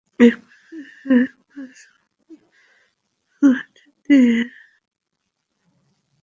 একপর্যায়ে মাসুম বিল্লাহ লাঠি দিয়ে মুতাচ্ছিরের মাথায় আঘাত করলে তিনি মারা যান।